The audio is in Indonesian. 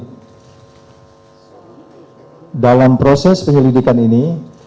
dan dalam proses penyelidikan ini